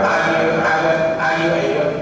bây giờ cũng biết được hàng điều rồi thôi